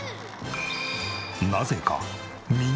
なぜか港。